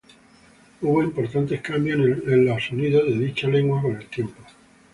Hubo importantes cambios en los sonidos de dicha lengua con el tiempo.